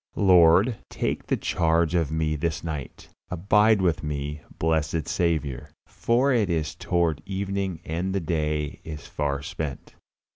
Lord, take the charge of me this night. Abide with me, blessed Saviour, for it is toward evening and the day is far spent.